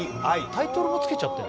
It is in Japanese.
タイトルもつけちゃってるの？